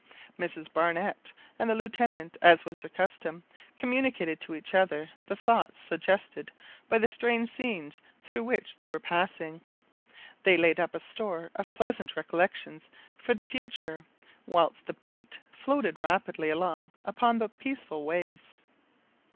Mrs Barnett and the Lieutenant, as was their custom, communicated to each other the thoughts suggested by the strange scenes through which they were passing. They laid up a store of pleasant recollections for the future whilst the beat floated rapidly along upon the peaceful waves.